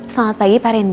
selamat pagi pak rendy